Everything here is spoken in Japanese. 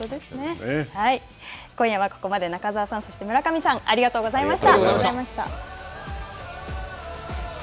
今夜はここまで中澤さん村上さんありがとうございました。